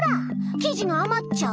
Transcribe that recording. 生地があまっちゃう。